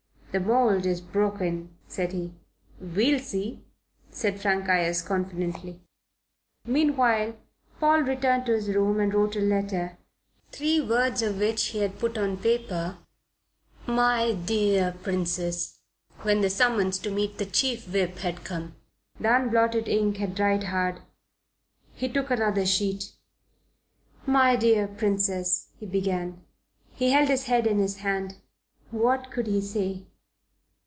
"The mould is broken," said he. "We'll see," said Frank Ayres, confidently. Meanwhile, Paul returned to his room and wrote a letter, three words of which he had put on paper "My dear Princess" when the summons to meet the Chief Whip had come. The unblotted ink had dried hard. He took another sheet. "My dear Princess," he began. He held his head in his hand. What could he say?